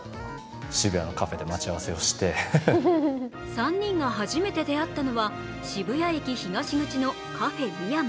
３人が初めて出会ったのは、渋谷駅東口のカフェ・ミヤマ。